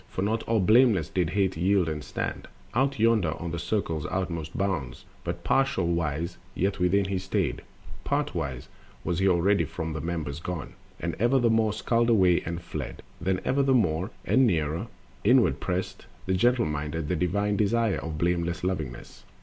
For not all blameless did Hate yield and stand Out yonder on the circle's utmost bounds; But partwise yet within he stayed, partwise Was he already from the members gone. And ever the more skulked away and fled, Then ever the more, and nearer, inward pressed The gentle minded, the divine Desire Of blameless Lovingness.